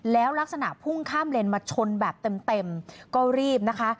แล้วลักษณะพุ่งข้ามเลนมาชนแบบเต็มก็รีบนะคะ